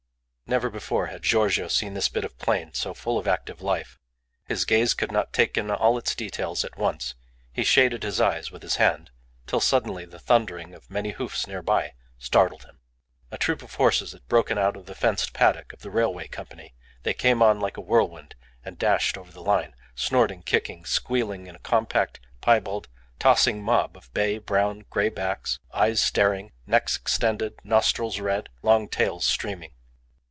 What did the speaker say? Never before had Giorgio seen this bit of plain so full of active life; his gaze could not take in all its details at once; he shaded his eyes with his hand, till suddenly the thundering of many hoofs near by startled him. A troop of horses had broken out of the fenced paddock of the Railway Company. They came on like a whirlwind, and dashed over the line snorting, kicking, squealing in a compact, piebald, tossing mob of bay, brown, grey backs, eyes staring, necks extended, nostrils red, long tails streaming.